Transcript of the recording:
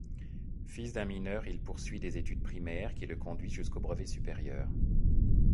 Fils d'un mineur, il poursuit des études primaires qui le conduisent jusqu'au brevet supérieur.